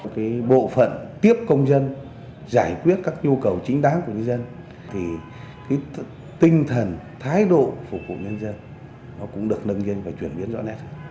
khi trực tiếp công dân giải quyết các nhu cầu chính đáng của nhân dân thì tinh thần thái độ phục vụ nhân dân cũng được nâng dân và chuyển biến rõ ràng